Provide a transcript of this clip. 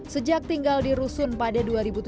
sejak tinggal di rusun pada dua ribu tujuh belas